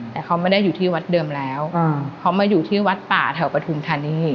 แต่เขาไม่ได้อยู่ที่วัดเดิมแล้วเขามาอยู่ที่วัดป่าแถวปฐุมธานี